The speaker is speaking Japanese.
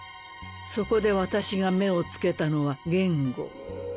そこで私が目を付けたのは言語。